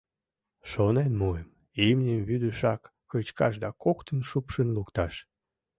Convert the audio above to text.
Шонен муым: имньым вӱдешак кычкаш да коктын шупшын лукташ.